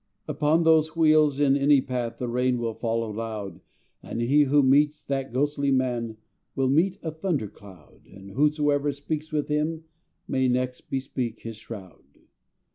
Upon those wheels in any path The rain will follow loud, And he who meets that ghostly man Will meet a thunder cloud, And whosoever speaks with him May next bespeak his shroud.